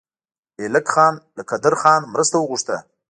ایلک خان له قدرخان مرسته وغوښته.